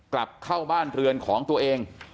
กลับเข้าบ้านเรือนของตัวเอง